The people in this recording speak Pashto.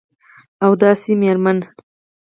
او داسي میرمن